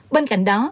bên cạnh đó